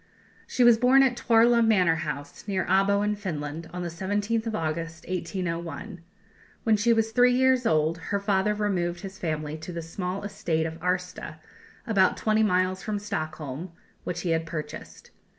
She was born at Tuorla Manor House, near Abo in Finland, on the 17th of August, 1801. When she was three years old her father removed his family to the small estate of Arsta, about twenty miles from Stockholm, which he had purchased.